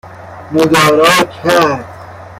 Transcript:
مدارا کرد